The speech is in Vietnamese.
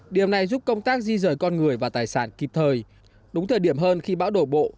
điều này giúp công tác di rời con người và tài sản kịp thời đúng thời điểm hơn khi bão đổ bộ